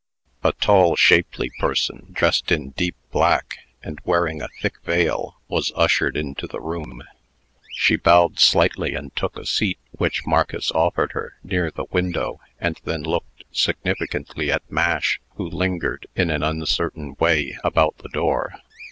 A tall, shapely person, dressed in deep black, and wearing a thick veil, was ushered into the room. She bowed slightly, and took a seat which Marcus offered her, near the window, and then looked significantly at Mash, who lingered in an uncertain way about the door.